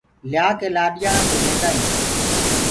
ليآ ڪي لآڏيآݪآنٚ ڪوٚ ديندآ هينٚ۔